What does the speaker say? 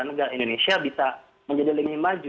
negara indonesia bisa menjadi lebih maju